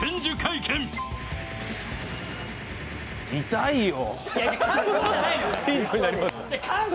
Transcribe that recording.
痛いよ。